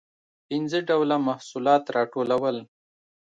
پنځه ډوله محصولات راټولول.